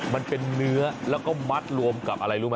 มันเป็นเนื้อแล้วก็มัดรวมกับอะไรรู้ไหม